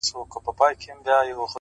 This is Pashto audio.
• شاعره خداى دي زما ملگرى كه ـ